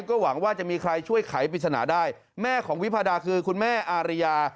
ก็หวังว่าจะมีใครช่วยไขปริศนาได้แม่ของวิพาดาคือคุณแม่อารยา